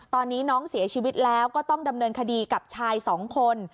ตอนนี้น้องเสียชีวิตแล้วก็ต้องดำเนินคดีกับชายสองคน